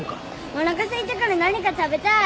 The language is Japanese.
おなかすいたから何か食べたい